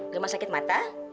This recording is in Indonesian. rumah sakit mata